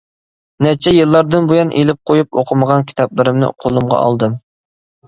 نەچچە يىللاردىن بۇيان ئېلىپ قويۇپ ئوقۇمىغان كىتابلىرىمنى قولۇمغا ئالدىم.